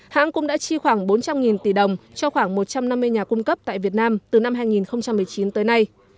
hãng cũng đã chi khoảng bốn trăm linh tỷ đồng cho khoảng một trăm năm mươi nhà cung cấp tại việt nam từ năm hai nghìn một mươi chín tới nay